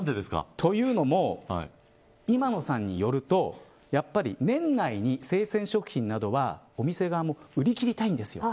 というのも、今野さんによると年内に生鮮食品などはお店側も売り切りたいんですよ。